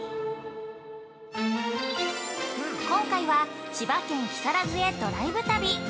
今回は千葉県木更津へドライブ旅。